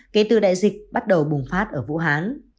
kể từ đại dịch bắt đầu bùng phát ở vũ hán